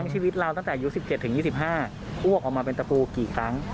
ทั้งชีวิตเราตั้งแต่ยุต๑๗๒๕อวกออกมาเป็นตัวปู้กี่ครั้ง